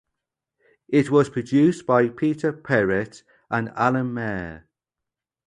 It was produced by Peter Perrett and Alan Mair.